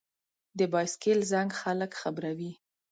د بایسکل زنګ خلک خبروي.